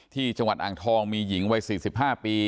ที่จังหวัดอ่างทองมีหญิงวัย๔๕ปี